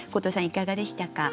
いかがでしたか？